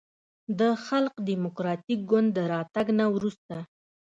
د خلق دیموکراتیک ګوند د راتګ نه وروسته